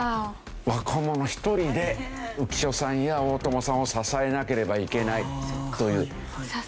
若者１人で浮所さんや大友さんを支えなければいけないという。